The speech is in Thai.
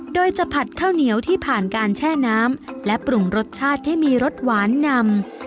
โดยจะผัดข้าวเหนียวที่ผ่านการแช่น้ำและปรุงรสชาติให้มีรสหวานนำ